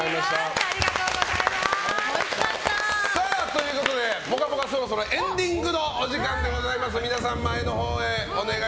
ということで「ぽかぽか」そろそろエンディングのお時間です。